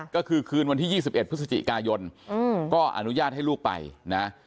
ก็คือคืนวันที่๒๑พฤศจิกายนก็อนุญาตให้ลูกไปนะ